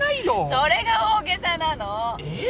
それが大げさなのえっ？